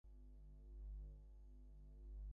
-এ বাড়ির লোকে বেড়াতে যাবে পশ্চিম!